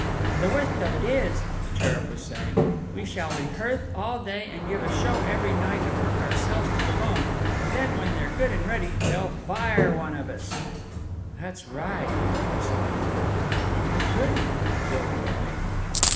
"And the wortht of it is," the Cherub was saying, "we shall rehearthe all day and give a show every night and work ourselves to the bone, and then, when they're good and ready, they'll fire one of us!" "That's right!" agreed the Southern girl. "They couldn't!" Jill cried.